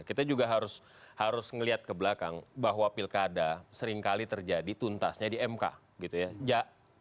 kita juga harus melihat ke belakang bahwa pilkada seringkali terjadi tuntasnya di mk gitu ya